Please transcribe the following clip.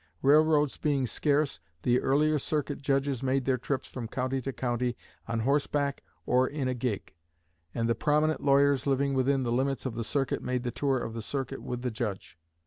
Railroads being scarce, the earlier circuit judges made their trips from county to county on horseback or in a gig; and the prominent lawyers living within the limits of the circuit made the tour of the circuit with the judge.